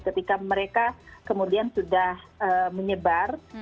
ketika mereka kemudian sudah menyebar